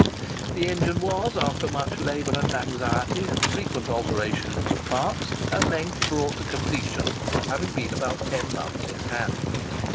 The engine was, after much labour and anxiety, and frequent alterations of parts, at length brought to completion, having been about ten months in hand.